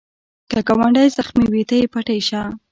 که ګاونډی زخمې وي، ته یې پټۍ شه